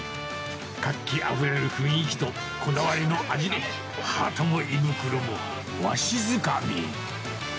活気あふれる雰囲気とこだわりの味で、ハートも胃袋もわしづかみ。